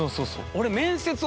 俺。